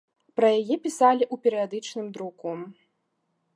Пра яе пісалі ў перыядычным друку.